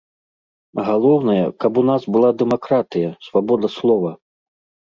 Галоўнае, каб у нас была дэмакратыя, свабода слова.